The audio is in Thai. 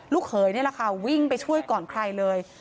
เขยนี่แหละค่ะวิ่งไปช่วยก่อนใครเลย